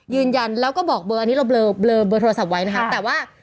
ยืนยันแล้วก็บอกเบอร์อันนี้เราเบลอเบอร์โทรศัพท์ไว้นะคะแต่ว่า